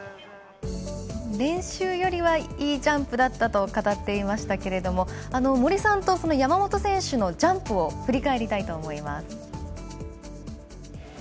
練習よりはいいジャンプだったと語っていましたけれども森さんと山本選手のジャンプを振り返りたいと思います。